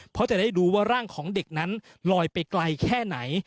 เพราะจะได้รู้ว่าร่างของเด็กนั้นลอยไปไกลแค่ไหน